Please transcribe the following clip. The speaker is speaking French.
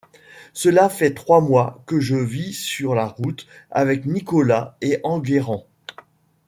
Cela fait trois mois que je vis sur la route avec Nicolas et Enguerrand.